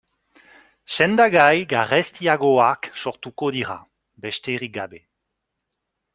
Sendagai garestiagoak sortuko dira, besterik gabe.